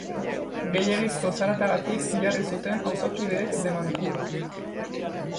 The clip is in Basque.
Gehiegizko zaratagatik jarri zuten auzokideek demanda.